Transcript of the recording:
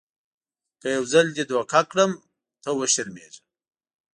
که یو ځل دې دوکه کړم ته وشرمېږه .